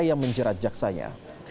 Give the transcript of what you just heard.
yang menjerat jaksanya